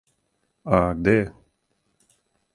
А, где је?